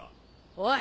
おい！